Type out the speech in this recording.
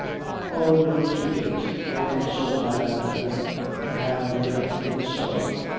'Oh, don't speak of it. I am so bad that way, and have neglected it so!